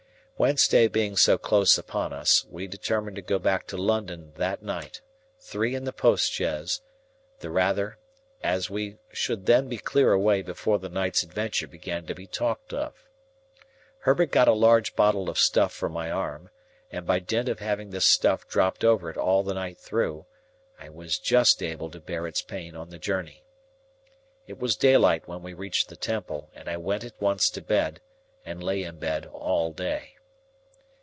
Wednesday being so close upon us, we determined to go back to London that night, three in the post chaise; the rather, as we should then be clear away before the night's adventure began to be talked of. Herbert got a large bottle of stuff for my arm; and by dint of having this stuff dropped over it all the night through, I was just able to bear its pain on the journey. It was daylight when we reached the Temple, and I went at once to bed, and lay in bed all day.